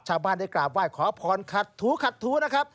ชาวบ้านได้กราบไหว้ขอพรขัดถูขัดถูนะครับ